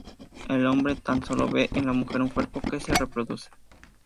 El hombre tan sólo ve en la mujer un cuerpo, que se reproduce.